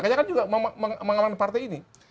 dia kan juga mengaman partai ini